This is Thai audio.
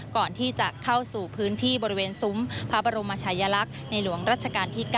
ก่อนที่จะเข้าสู่พื้นที่บริเวณซุ้มพระบรมชายลักษณ์ในหลวงรัชกาลที่๙